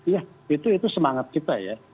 ya itu semangat kita ya